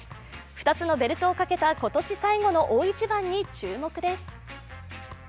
２つのベルトをかけた今年最後の大一番に注目です。